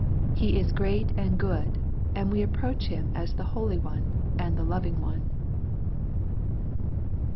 He is great and good, and we approach Him as the Holy One and the Loving One.